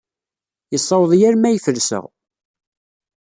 Yessaweḍ-iyi armi ay felseɣ.